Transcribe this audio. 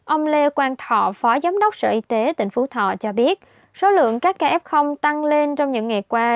ông lê quang thọ phó giám đốc sở y tế tỉnh phú thọ cho biết số lượng các ca f tăng lên trong những ngày qua